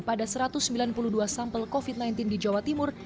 pada satu ratus sembilan puluh dua sampel covid sembilan belas di jawa timur